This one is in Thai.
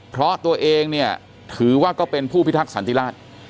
เพราะตัวเองเนี่ยถือว่าก็เป็นผู้พิทักษันติราช